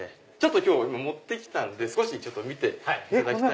今日持って来たんで少し見ていただきたい。